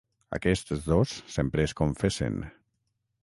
Aquests dos sempre es confessen.